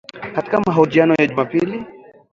Katika mahojiano ya Jumapili